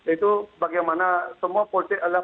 itu bagaimana semua politik adalah